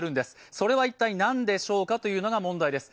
それは一体何でしょうかというのが問題です。